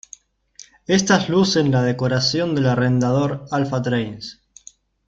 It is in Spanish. Éstas lucen la decoración del arrendador Alpha Trains.